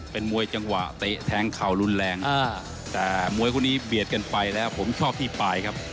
เป็นมวยจังหวะเตะแทงเข่ารุนแรงแต่มวยคู่นี้เบียดกันไปแล้วผมชอบที่ปลายครับ